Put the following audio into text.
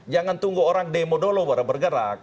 jangan tunggu orang demodolo baru bergerak